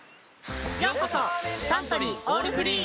サントリー「オールフリー」！